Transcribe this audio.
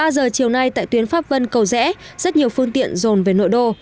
ba giờ chiều nay tại tuyến pháp vân cầu rẽ rất nhiều phương tiện dồn về nội đô